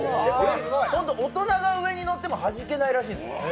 大人が上に乗ってもはじけないらしいですよ。